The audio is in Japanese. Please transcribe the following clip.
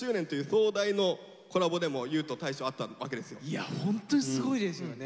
いやホントにすごいですよね。